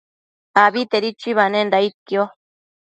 Abitedi chuibanenda aidquio